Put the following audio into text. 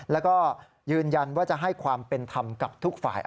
แล้วก็ยืนยันว่าจะให้ความเป็นธรรมกับทุกฝ่าย